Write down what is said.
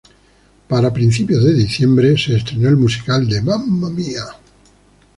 Para principios de diciembre, se estrenó el musical de Mamma Mia!